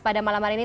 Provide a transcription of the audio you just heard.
pada malam hari ini